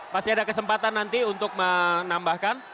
pasti ada kesempatan nanti untuk menambahkan